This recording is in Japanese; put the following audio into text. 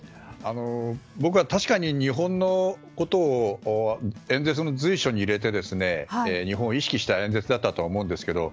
僕は確かに日本のことを演説の随所に入れて日本を意識した演説だったと思うんですが